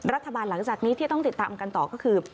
หลังจากนี้ที่ต้องติดตามกันต่อก็คือ